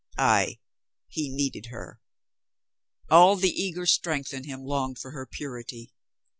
... Ay, he needed her. All the eager strength in him longed for her purity.